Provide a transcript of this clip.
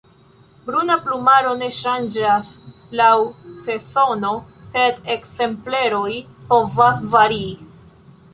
Bruna plumaro ne ŝanĝas laŭ sezono, sed ekzempleroj povas varii.